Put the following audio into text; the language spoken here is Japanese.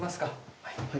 はい。